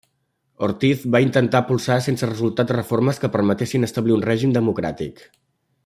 Ortiz va intentar impulsar sense resultat reformes que permetessin establir un règim democràtic.